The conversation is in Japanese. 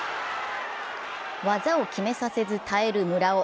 技を決めさせず耐える村尾。